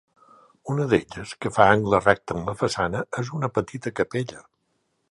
Una d'elles, que fa angle recte amb la façana, és una petita capella.